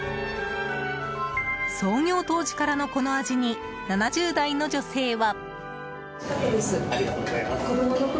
創業当時からのこの味に７０代の女性は。